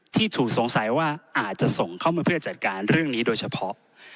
ที่ถูกสงสัยว่าอาจจะส่งเข้ามาเพื่อจัดการเรื่องนี้โดยเฉพาะ